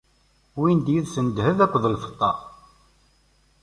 Wwin-d yid-sen ddheb akked lfeṭṭa.